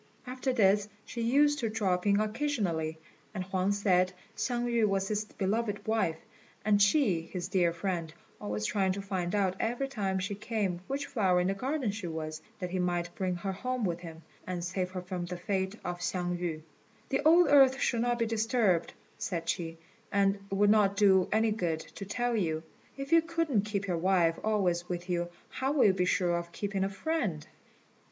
After this she used to drop in occasionally, and Huang said Hsiang yü was his beloved wife, and she his dear friend, always trying to find out every time she came which flower in the garden she was, that he might bring her home with him, and save her from the fate of Hsiang yü. "The old earth should not be disturbed," said she, "and it would not do any good to tell you. If you couldn't keep your wife always with you, how will you be sure of keeping a friend?"